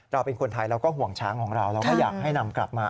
เราเป็นคนไทยเราก็ห่วงช้างของเราเราก็อยากให้นำกลับมา